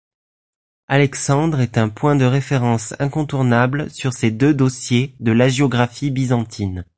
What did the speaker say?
Alexandre est un point de référence incontournable sur ces deux dossiers de l'hagiographie byzantine.